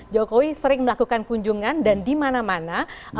jokowi sering melakukan kunjungan dan di mana mana